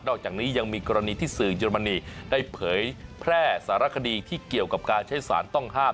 อกจากนี้ยังมีกรณีที่สื่อเยอรมนีได้เผยแพร่สารคดีที่เกี่ยวกับการใช้สารต้องห้าม